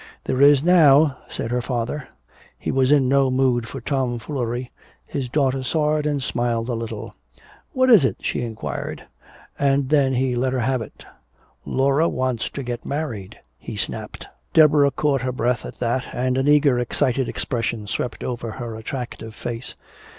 "There is now," said her father. He was in no mood for tomfoolery. His daughter saw it and smiled a little. "What is it?" she inquired. And then he let her have it! "Laura wants to get married," he snapped. Deborah caught her breath at that, and an eager excited expression swept over her attractive face.